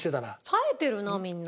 さえてるなみんな。